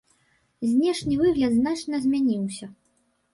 Знешні выгляд значна змяніўся.